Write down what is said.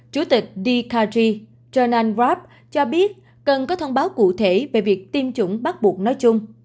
chủ tịch dkg john algrove cho biết cần có thông báo cụ thể về việc tiêm chủng bắt buộc nói chung